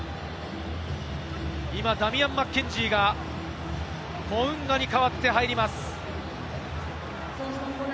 ダミアン・マッケンジーがモウンガに代わって入ります。